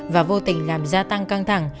và vô tình làm gia tăng căng thẳng